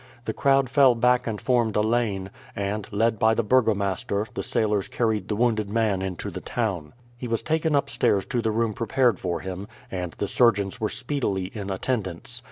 The crowd fell back and formed a lane, and, led by the burgomaster, the sailors carried the wounded man into the town. He was taken upstairs to the room prepared for him, and the surgeons were speedily in attendance.